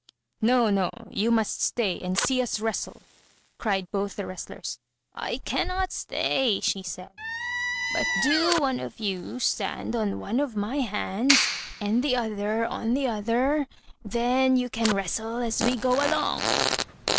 "No, no; you must stay and see us wrestle," cried both the wrestlers. "I cannot stay," she said; "but do one of you stand on one of my hands, and the other on the other, and then you can wrestle as we go along."